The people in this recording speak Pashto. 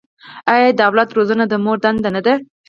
آیا د اولاد روزنه د مور دنده نه ده؟